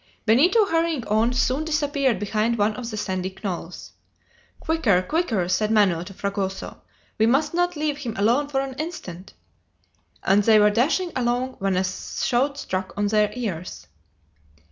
Benito, hurrying on, soon disappeared behind one of the sandy knolls. "Quicker! quicker!" said Manoel to Fragoso. "We must not leave him alone for an instant." And they were dashing along when a shout struck on their ears.